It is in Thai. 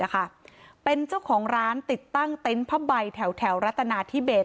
ที่คนร้ายใช้ก่อเหตุเป็นเจ้าของร้านติดตั้งเต้นภาพใบแถวรัฐนาธิเบต